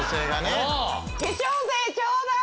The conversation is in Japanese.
化粧税ちょうだい！